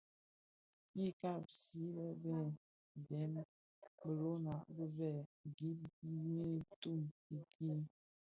Ňyi kabsi bë bëë dèm bilona bibèè gib nyi tum dhiki.